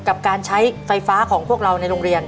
กับการใช้ไฟฟ้าของพวกเราในโรงเรียน